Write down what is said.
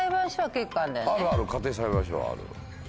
あるある家庭裁判所はある。